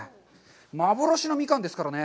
幻のミカンですからね。